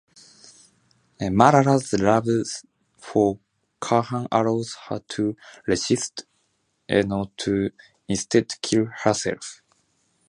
Marla's love for Khan allows her to resist enough to instead kill herself.